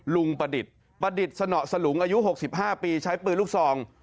ลุงประดิษฐ์ประดิษฐ์สระสลุงอายุหกสิบห้าปีใช้ปืนลูกซอง